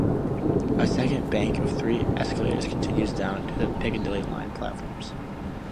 A second bank of three escalators continues down to the Piccadilly line platforms.